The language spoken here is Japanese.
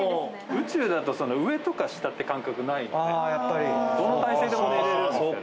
宇宙だと上とか下って感覚ないのでどの体勢でも寝れるんですよね